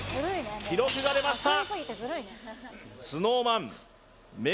記録が出ました